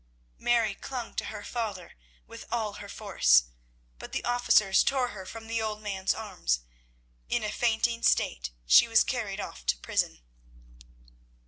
Mary clung to her father with all her force, but the officers tore her from the old man's arms. In a fainting state she was carried off to prison.